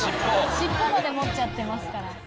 尻尾まで持っちゃってますから。